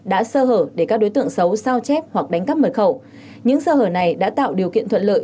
đã sơ hở để các đối tượng xấu sao chép hoặc đánh cắp mật khẩu những sơ hở này đã tạo điều kiện thuận lợi